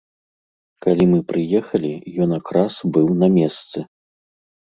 Калі мы прыехалі, ён якраз быў на месцы.